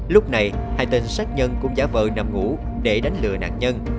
lúc này hai tên sát nhân cuốn giả vờ nằm ngủ để đánh lừa nạn nhân